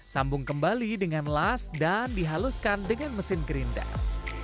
sambung kembali dengan las dan dihaluskan dengan mesin gerinda